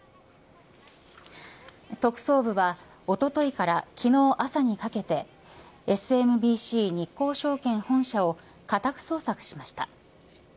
特捜部はおとといから昨日朝にかけてＳＭＢＣ日興証券本社を家宅捜索しました。